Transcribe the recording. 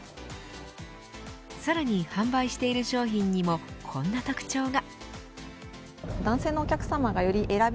さらに販売している商品にもこんな特徴が。